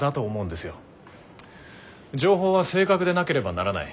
情報は正確でなければならない。